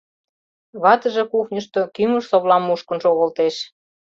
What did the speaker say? Ватыже кухньышто кӱмыж-совлам мушкын шогылтеш.